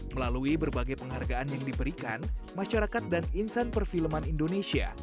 melalui berbagai penghargaan yang diberikan masyarakat dan insan perfilman indonesia